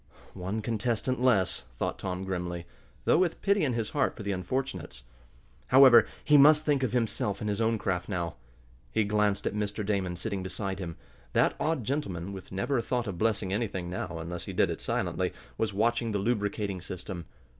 "One contestant less," thought Tom, grimly, though with pity in his heart for the unfortunates. However, he must think of himself and his own craft now. He glanced at Mr. Damon sitting beside him. That odd gentleman, with never a thought of blessing anything now, unless he did it silently, was watching the lubricating system.